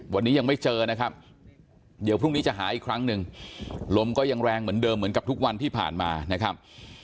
วันนี้ยังไม่เจอนะครับเดี๋ยวพรุ่งนี้จะหาอีกครั้งหนึ่งลมก็ยังแรงเหมือนเดิมเหมือนกับทุกวันที่ผ่านมานะครับ